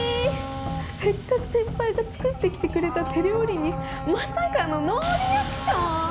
せっかく先輩が作ってきてくれた手料理にまさかのノーリアクション！？